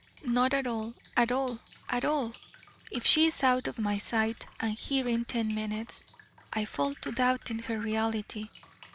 Not at all, at all, at all! If she is out of my sight and hearing ten minutes, I fall to doubting her reality.